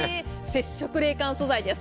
接触冷感素材です。